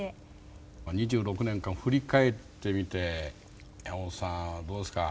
２６年間振り返ってみて山本さんどうですか？